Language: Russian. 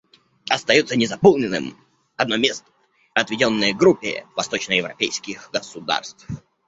Остается незаполненным одно место, отведенное Группе восточноевропейских государств.